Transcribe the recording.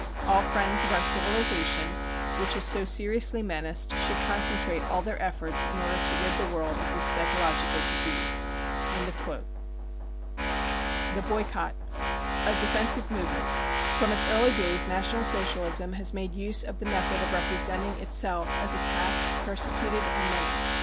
... All friends of our civilisation which is so seriously menaced should concentrate all their efforts in order to rid the world of this psychological disease. 55 9 THE PERSECUTION OF JEWS 2 55 THE BOYCOTT A Defensive Movement. From its early days National Socialism has made use of the method of representing itself as attacked, persecuted and menaced.